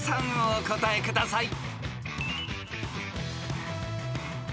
お答えください］